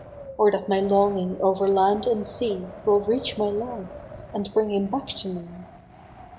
Or that my longing over land and sea Will reach my love, and bring him back to me